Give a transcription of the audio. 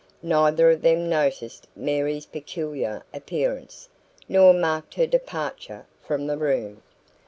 Neither of them noticed Mary's peculiar appearance, nor marked her departure from the room.